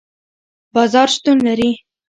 بازار شتون لري